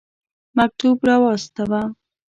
مکتوب را واستاوه.